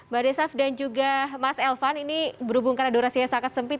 mbak desaf dan juga mas elvan ini berhubung karena durasinya sangat sempit